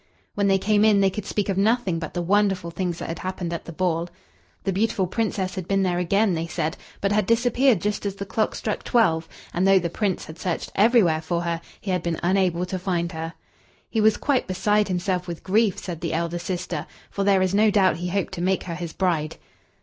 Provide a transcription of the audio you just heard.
When they came in they could speak of nothing but the wonderful things that had happened at the ball. The beautiful Princess had been there again, they said, but had disappeared just as the clock struck twelve, and though the Prince had searched everywhere for her, he had been unable to find her. "He was quite beside himself with grief," said the elder sister, "for there is no doubt he hoped to make her his bride."